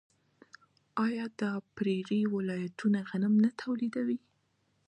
آیا د پریري ولایتونه غنم نه تولیدوي؟